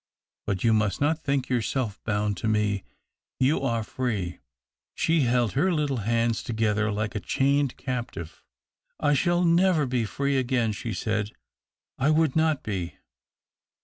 But you must not think yourself bound to me. You are free." She held her little hands together like a chained captive. " I shall never be free again," she said ;" I would not be."